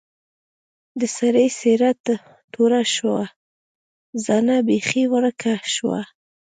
د سړي څېره تروه شوه زنه بېخي ورکه شوه.